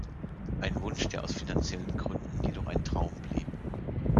Ein Wunsch, der aus finanziellen Gründen jedoch ein Traum blieb.